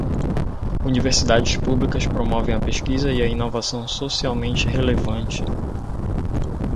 Universidades públicas promovem a pesquisa e a inovação socialmente relevante.